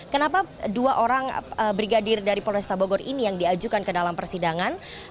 kenapa dua orang brigadir dari polresta bogor ini yang diajukan ke dalam persidangan